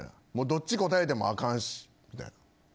どっち答えてもあかんしみたいな。